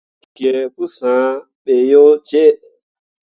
Nii bo kǝǝ pu yah be yo ceɓ.